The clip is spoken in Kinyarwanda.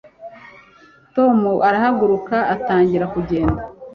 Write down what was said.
tom arahaguruka atangira kugenda